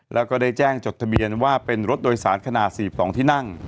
แล้วก็ได้แจ้งจดทะเบียนว่าเป็นรถโดยสารขนาด๔๒ที่นั่ง